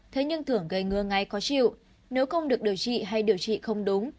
thế nhưng thường gây ngứa ngay khó chịu nếu không được điều trị hay điều trị không đúng